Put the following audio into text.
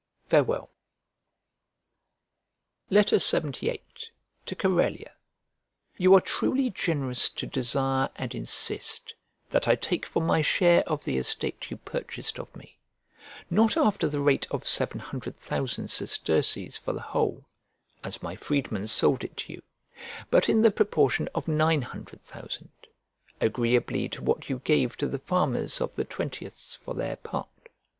Farewell. LXXVIII To CORELLIA You are truly generous to desire and insist that I take for my share of the estate you purchased of me, not after the rate of seven hundred thousand sesterces for the whole, as my freedman sold it to you; but in the proportion of nine hundred thousand, agreeably to what you gave to the farmers of the twentieths for their part.